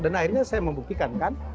dan akhirnya saya membuktikan kan